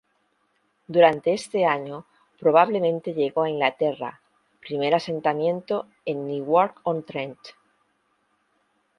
Durante este año, probablemente llegó a Inglaterra, primer asentamiento en Newark-on-Trent.